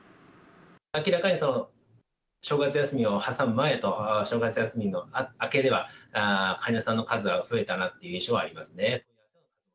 明らかに正月休みを挟む前と、正月休みの明けでは、患者さんの数は増えたなっていう印象はありますね。